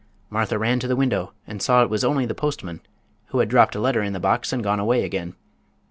Martha ran to the window and saw it was only the postman, who had dropped a letter in the box and gone away again.